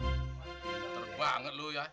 teruk banget lu ya